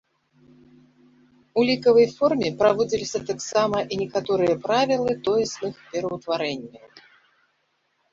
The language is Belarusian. У лікавай форме прыводзіліся таксама і некаторыя правілы тоесных пераўтварэнняў.